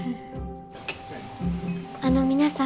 あの皆さん。